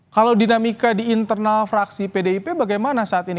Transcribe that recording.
kalau dinamika di internal fraksi pdip bagaimana saat ini